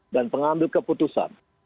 dan pengambil keputusan